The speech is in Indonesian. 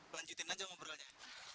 lanjutin aja ngobrolnya